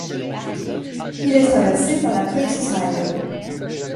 Il est traversé par la Princes Highway.